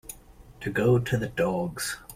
To go to the dogs.